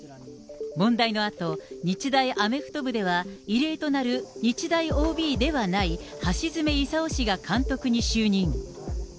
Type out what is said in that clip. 問題のあと、日大アメフト部では、異例となる日大ＯＢではない、橋詰功氏が監督に就任。